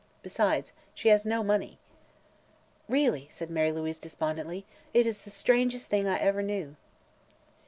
Besides, she has no money." "Really," said Mary Louise despondently, "it is the strangest thing I ever knew."